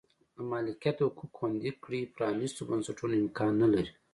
د مالکیت حقوق خوندي کړي پرانیستو بنسټونو امکان نه لري.